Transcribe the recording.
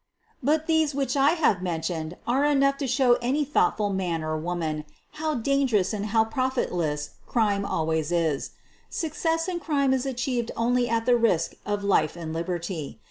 But these which I have mentioned are enough to show any thoughtful man or woman how hazardous and how profitless crime always is. Success in crime is achieved only at the risk of life and liberty.